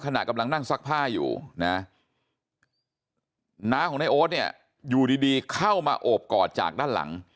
ขณะกำลังนั่งซักผ้าอยู่นะน้าของนายโอ๊ตเนี่ยอยู่ดีเข้ามาโอบกอดจากด้านหลัง